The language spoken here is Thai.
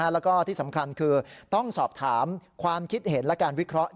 แล้วก็ที่สำคัญคือต้องสอบถามความคิดเห็นและการวิเคราะห์